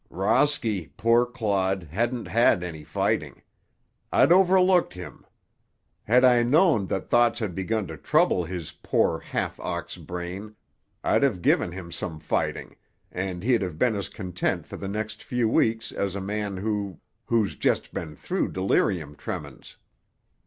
"Rosky, poor clod, hadn't had any fighting. I'd overlooked him. Had I known that thoughts had begun to trouble his poor, half ox brain, I'd have given him some fighting, and he'd have been as content for the next few weeks as a man who—who's just been through delirium tremens.